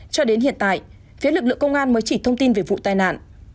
cho đến hiện tại phía lực lượng công an mới chỉ thông tin về vụ tai nạn